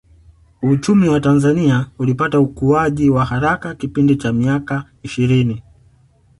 Uchumi wa Tanzania ulipata ukuaji wa haraka kipindi cha miaka ishirini